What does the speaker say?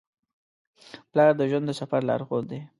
پلار د ژوند د سفر لارښود دی.